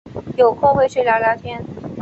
有空会去聊聊天